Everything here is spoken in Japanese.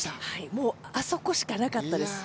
もうあそこしかなかったです。